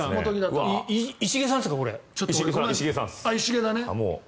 石毛さんですかこれは。